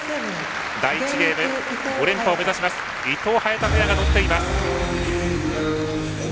第１ゲーム、５連覇を目指します伊藤、早田ペアが取っています。